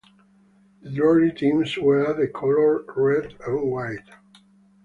The Derry teams wear the colours red and white.